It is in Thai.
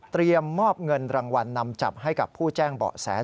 มอบเงินรางวัลนำจับให้กับผู้แจ้งเบาะแส